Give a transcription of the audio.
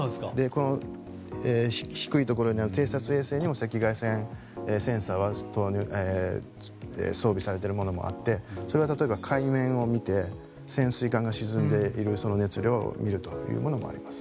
低いところにある偵察衛星にも赤外線センサー装備されているものもあってそれは例えば海面を見て潜水艦が沈んでいるその熱量を見るというものもあります。